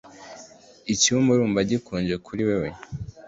Icyumba urumva gikonje kuri wewe